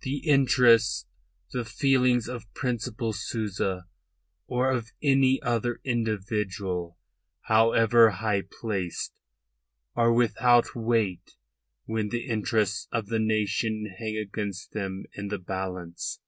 The interests, the feelings of Principal Souza or of any other individual, however high placed, are without weight when the interests of the nation hang against them in the balance.